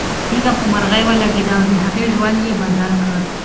تیږه په مرغۍ ولګېده او د هغې ژوند یې بدل کړ.